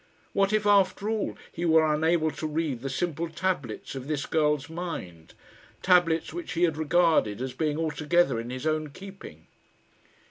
What if, after all, he were unable to read the simple tablets of this girl's mind tablets which he had regarded as being altogether in his own keeping?